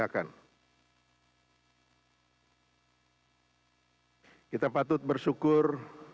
kita patut bersyukur